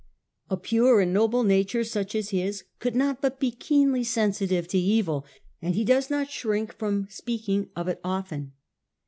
A pure and noble nature such as his could not but be keenly sensitive to evil, and he does not shrink from speaking of it often.